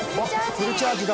あっフルチャージだ！